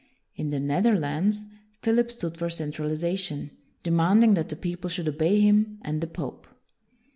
In the Netherlands, Philip stood for centralization, demanding that the people should obey him and the pope.